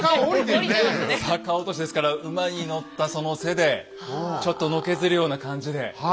逆落としですから馬に乗ったその背でちょっとのけぞるような感じで。